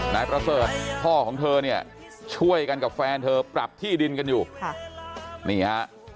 นายประเสริฐพ่อของเธอเนี่ยช่วยกันกับแฟนเธอปรับที่ดินกันอยู่ค่ะนี่ฮะ